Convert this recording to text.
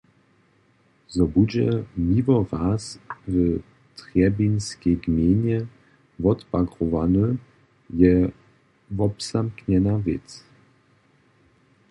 Zo budźe Miłoraz w Trjebinskej gmejnje wotbagrowany, je wobzamknjena wěc.